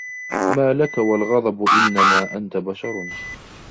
مَا لَك وَالْغَضَبُ إنَّمَا أَنْتَ بَشَرٌ